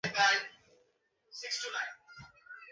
ললিতার বিরক্তিস্বর বিনয়ের পক্ষে সুপরিচিত ছিল।